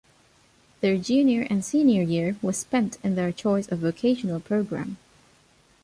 Their Junior and Senior year was spent in their choice of vocational program.